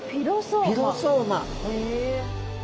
へえ。